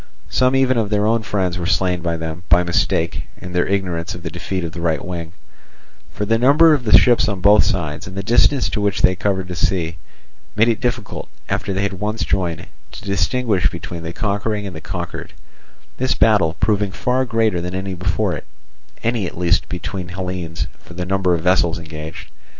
Some even of their own friends were slain by them, by mistake, in their ignorance of the defeat of the right wing For the number of the ships on both sides, and the distance to which they covered the sea, made it difficult, after they had once joined, to distinguish between the conquering and the conquered; this battle proving far greater than any before it, any at least between Hellenes, for the number of vessels engaged.